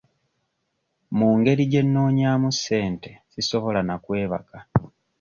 Mu ngeri gye nnoonyaamu ssente sisobola na kwebaka.